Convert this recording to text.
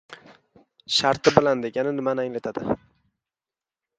“Sharti bilan” degani nimani anglatadi?